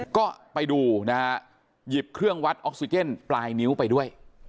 ก็ไปดูนะฮะหยิบเครื่องวัดออกซิเจนปลายนิ้วไปด้วย